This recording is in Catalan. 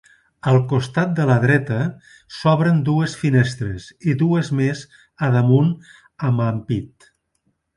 Al costat de la dreta s'obren dues finestres, i dues més a damunt amb ampit.